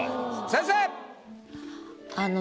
先生！